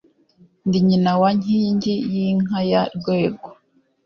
Ndi nyina wa Nkingiy-inka ya Rwego,